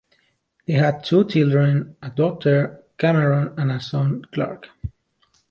They had two children, a daughter, Cameron, and a son, Clark.